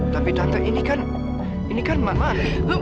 tapi tante ini kan ini kan maman